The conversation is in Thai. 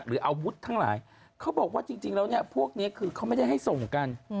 หรืออาวุธทั้งหลายเขาบอกว่าจริงแล้วเนี่ยพวกนี้คือเขาไม่ได้ให้ส่งกัน